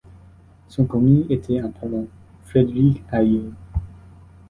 Son commis était un parent, Frédéric Ahier.